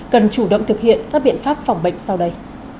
cần chủ động thực hiện các biện pháp phòng bệnh sau đây